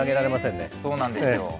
そうなんですよ。